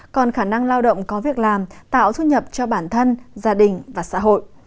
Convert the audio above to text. còn khả năng lao động có việc làm tạo thu nhập cho bản thân gia đình và xã hội